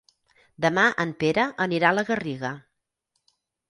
Demà en Pere anirà a la Garriga.